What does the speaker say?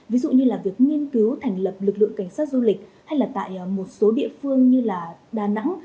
ví dụ như là việc nghiên cứu thành lập lực lượng cảnh sát du lịch hay là tại một số địa phương như là đà nẵng